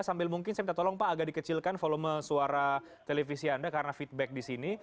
sambil mungkin saya minta tolong pak agak dikecilkan volume suara televisi anda karena feedback di sini